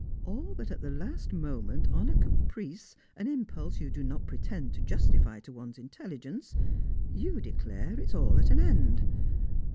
All but at the last moment, on a caprice, an impulse you do not pretend to justify to one's intelligence, you declare it is all at an end.